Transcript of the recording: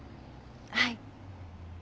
はい。